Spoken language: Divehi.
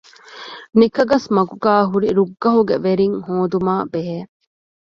ނިކަގަސްމަގުގައި ހުރި ރުއްގަހުގެ ވެރިން ހޯދުމާބެހޭ